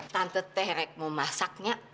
tante terek mau masak nyak